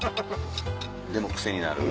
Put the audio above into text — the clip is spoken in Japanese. でも癖になる。